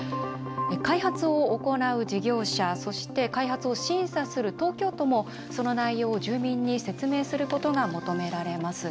開発を行う事業者、そして開発を審査する東京都も住民に説明することが求められます。